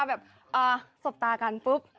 แบบสบตากันปุ๊บ